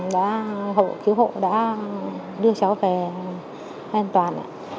đã cứu hộ đã đưa cháu về an toàn